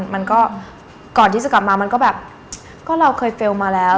มันก็ก่อนที่จะกลับมามันก็แบบก็เราเคยเฟลล์มาแล้ว